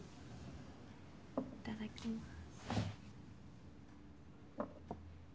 いただきます。